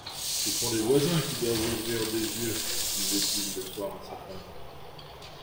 Ce sont les voisins qui doivent ouvrir des yeux ! disait-il le soir à sa femme.